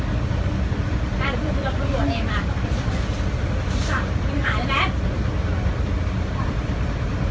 ก็ไม่มีเวลาให้กลับมาที่นี่